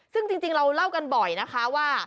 ซึ่งจริงเราเล่ากันบ่อยนะคะว่า